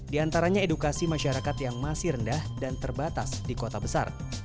di antaranya edukasi masyarakat yang masih rendah dan terbatas di kota besar